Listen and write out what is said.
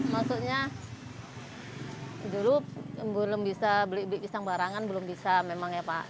maksudnya dulu belum bisa beli pisang barangan belum bisa memang ya pak